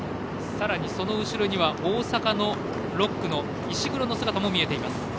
さらにその後ろには大阪の６区の石黒の姿も見えています。